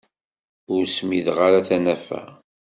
Ur smideɣ ara tanafa.